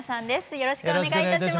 よろしくお願いします。